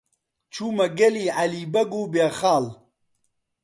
چوومە گەلی عەلی بەگ و بێخاڵ.